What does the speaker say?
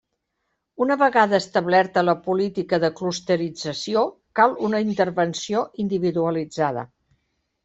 Una vegada establerta la política de clusterització, cal una intervenció individualitzada.